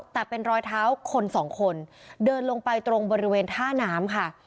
แต่เป็นรอยเท้าคนสองคนเดินลงไปตรงบริเวณท่าน้ำค่ะ